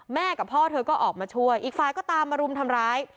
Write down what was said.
กับพ่อเธอก็ออกมาช่วยอีกฝ่ายก็ตามมารุมทำร้าย